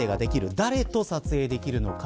誰と撮影できるのか。